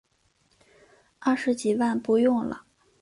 二十几万不用了